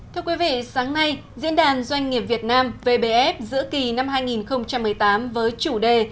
thưa quý vị sáng nay diễn đàn doanh nghiệp việt nam vbf giữa kỳ năm hai nghìn một mươi tám với chủ đề